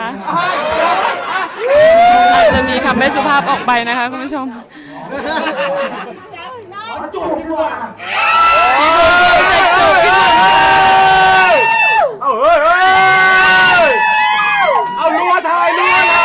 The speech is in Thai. เราจะมีคำไม่สุภาพออกไปนะคะคุณผู้ชม